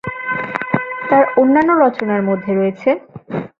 তার অন্যান্য রচনার মধ্যে রয়েছেঃ